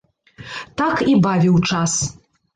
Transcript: Так і бавіў час.